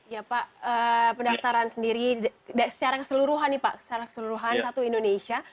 ya pak pendaftaran sendiri secara keseluruhan nih pak secara keseluruhan satu indonesia